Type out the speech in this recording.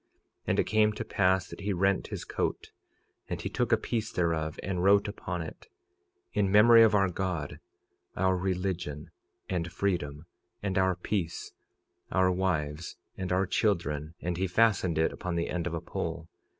46:12 And it came to pass that he rent his coat; and he took a piece thereof, and wrote upon it—In memory of our God, our religion, and freedom, and our peace, our wives, and our children—and he fastened it upon the end of a pole.